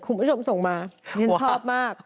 คุณผู้ชมส่งมาฉันชอบมาก